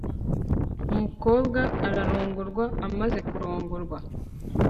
umukobwa ararongorwa, amaze kurongorwa